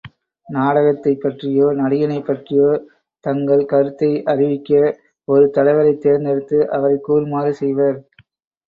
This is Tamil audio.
நாடகத்தைப் பற்றியோ நடிகனைப் பற்றியோ தங்கள் கருத்தை அறிவிக்க ஒரு தலைவரைத் தேர்ந்தெடுத்து அவரைக் கூறுமாறு செய்வர்.